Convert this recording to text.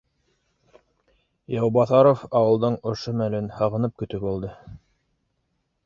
Яубаҫаров ауылдың ошо мәлен һағынып көтөп алды